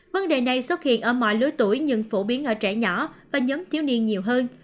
vấn đề này xuất hiện ở mọi lứa tuổi nhưng phổ biến ở trẻ nhỏ và nhóm thiếu niên nhiều hơn